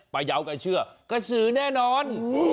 ปะเยาะกันเชื่อก็สื่อแน่นอน